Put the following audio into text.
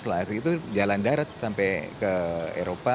itu jalan darat sampai ke eropa